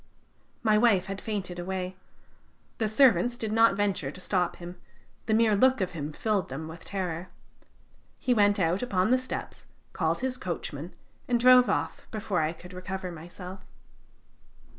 My wife had fainted away; the servants did not venture to stop him, the mere look of him filled them with terror. He went out upon the steps, called his coachman, and drove off before I could recover myself."